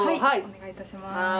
はいお願いいたします。